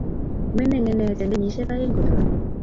Mining inet eng kenyishek aeng koturo